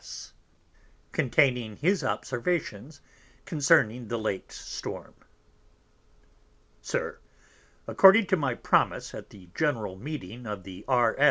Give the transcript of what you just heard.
S. Containing his Observations concerning the late Storm_. SIR, According to my Promise at the general Meeting of the _R.